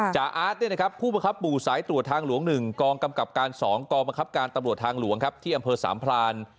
อาร์ตผู้บังคับหมู่สายตรวจทางหลวง๑กองกำกับการ๒กองบังคับการตำรวจทางหลวงครับที่อำเภอสามพราน